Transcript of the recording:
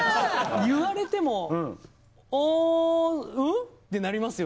言われても「ああうん？」ってなりますよね？